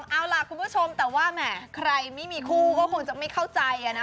เอาล่ะคุณผู้ชมแต่ว่าแหมใครไม่มีคู่ก็คงจะไม่เข้าใจนะ